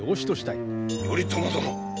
頼朝殿！